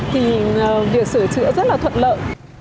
thì việc sửa chữa rất là thuận lợi